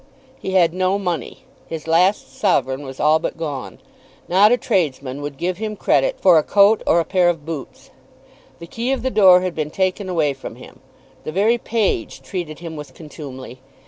He had no money. His last sovereign was all but gone. Not a tradesman would give him credit for a coat or a pair of boots. The key of the door had been taken away from him. The very page treated him with contumely.